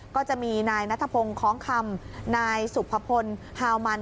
ก็จะมีนายนัทพงศ์คล้องคำนายสุภพลฮาวมัน